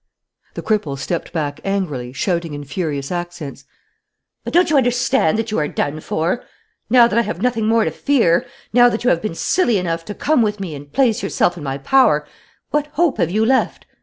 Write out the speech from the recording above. The cripple stepped back angrily, shouting in furious accents: "But don't you understand that you are done for? Now that I have nothing more to fear, now that you have been silly enough to come with me and place yourself in my power, what hope have you left?